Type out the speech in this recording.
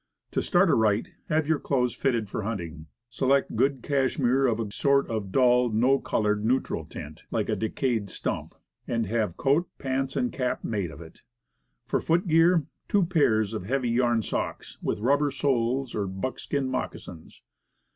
To start aright, have your clothes fitted for hunting. Buy no advertised hunting coats or suits. Select good cassimere of a sort of dull, no colored, neutral tint, like a decayed stump, and have coat, pants, and cap made of it. For foot gear, two pairs of heavy yarn socks, with rubber shoes or buck skin moccasins.